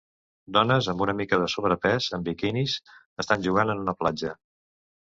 Dones amb una mica de sobrepès en bikinis estan jugant en una platja.